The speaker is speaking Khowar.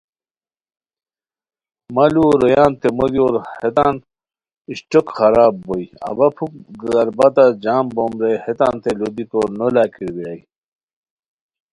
مہ ُلوؤ رویانتے مو دیور ہیتان اشٹوک خراب بوئے اوا پُھک دربتہ جم بوم رے ہیتانتے لو دیکو نو لاکیرو بیرائے